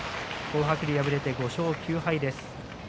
東白龍は敗れて５勝９敗です。